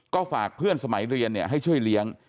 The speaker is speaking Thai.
ก็ฝากเพื่อนสมัยเรียนให้ช่วยเลี้ยง